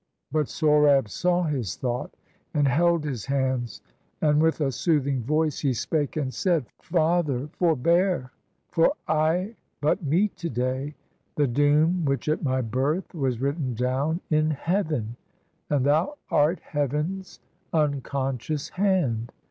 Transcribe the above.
But Sohrab saw his thought, and held his hands, 282 PERSIA And with a soothing voice he spake, and said: — "Father, forbear! for I but meet to day The doom which at my birth was written down In Heaven; and thou art Heaven's unconscious hand.